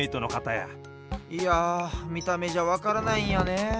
いやみためじゃわからないんやねえ。